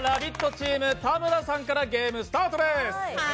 チーム田村さんからゲームスタートです。